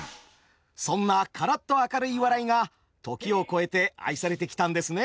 そんなカラッと明るい笑いが時を超えて愛されてきたんですね。